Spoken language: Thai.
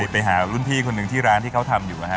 ไปหารุ่นพี่คนหนึ่งที่ร้านที่เขาทำอยู่นะฮะ